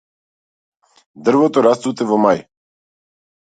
Дрвото расцуте во мај.